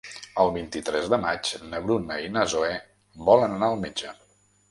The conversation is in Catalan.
El vint-i-tres de maig na Bruna i na Zoè volen anar al metge.